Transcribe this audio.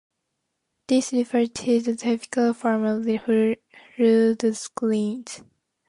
This refers to the typical form of rood screens.